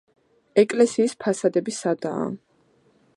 ეკლესიის ფასადები სადაა.